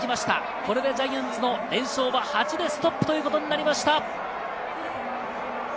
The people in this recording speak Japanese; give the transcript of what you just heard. これでジャイアンツの連勝は８でストップとなりました。